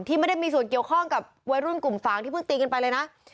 ไม่ได้มีส่วนเกี่ยวข้องกับวัยรุ่นกลุ่มฝางที่เพิ่งตีกันไปเลยนะ